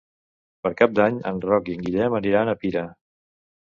Per Cap d'Any en Roc i en Guillem aniran a Pira.